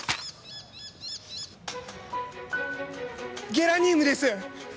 ゲラニウムです！